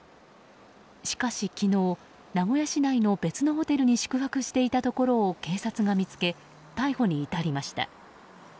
しかし昨日名古屋市内の別のホテルに宿泊していたところを警察が見つけ、逮捕に至りました。